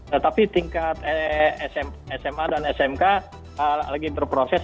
tetapi tingkat sma dan smk lagi berproses